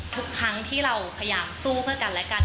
ทุกครั้งที่เราพยายามสู้เพื่อกันและกัน